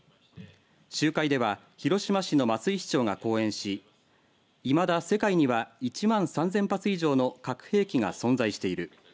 集会では広島市の松井市長が講演しいまだ世界には１万３０００発以上の核兵器が存在している。